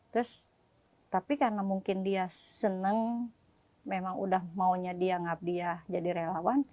terus tapi karena mungkin dia seneng memang udah maunya dia nggak dia jadi relawan